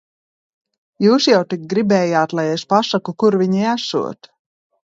Jūs jau tik gribējāt, lai es pasaku, kur viņi esot.